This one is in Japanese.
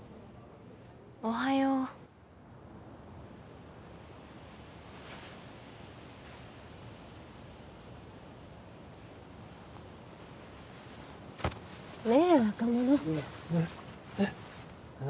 おはようねえ若者えっえっ何？